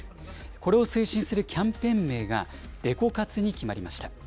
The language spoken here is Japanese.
これを推進するキャンペーン名が、デコ活に決まりました。